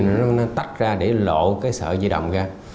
nó tách ra để lộ cái sợi di động ra